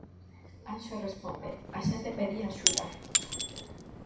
Anxo responde: "a xente pedía axuda".